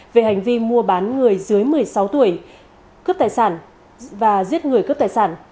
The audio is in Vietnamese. về hành vi mua bán người dưới một mươi sáu tuổi cướp tài sản và giết người cướp tài sản